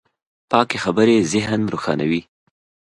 پاکې خبرې ذهن روښانوي.